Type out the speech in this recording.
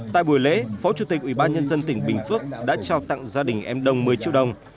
tại buổi lễ phó chủ tịch ủy ban nhân dân tỉnh bình phước đã trao tặng gia đình em đồng một mươi triệu đồng